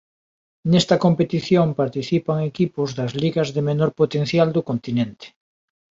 Nesta competición participan equipos das ligas de menor potencial do continente.